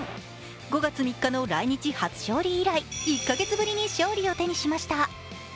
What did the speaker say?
５月３日の来日初勝利以来、１か月ぶりに勝利を手にしました。